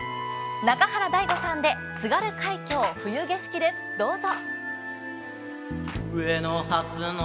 中原大吾さんで「津軽海峡・雪景色」です、どうぞ。